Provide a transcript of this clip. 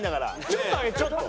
ちょっと上げてちょっと。